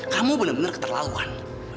kamu bener bener keterlaluan